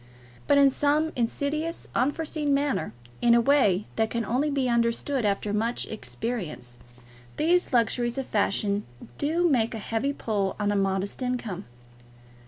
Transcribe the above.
But in some insidious, unforeseen manner, in a way that can only be understood after much experience, these luxuries of fashion do make a heavy pull on a modest income.